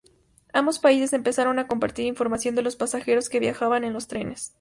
Ambos países empezaron a compartir información de los pasajeros que viajaban en los trenes.